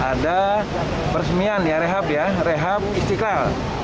ada peresmian ya rehab ya rehab istiqlal